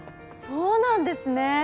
そうなんですね。